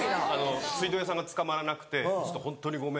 水道屋さんがつかまらなくて「ホントにごめん」。